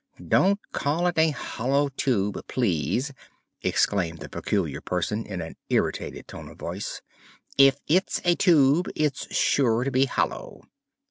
"Don't call it a 'hollow' Tube, please," exclaimed the Peculiar Person in an irritated tone of voice. "If it's a tube, it's sure to be hollow."